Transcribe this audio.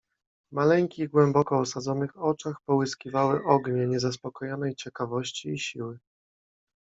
"W maleńkich głęboko osadzonych oczach połyskiwały ognie niezaspokojonej ciekawości i siły."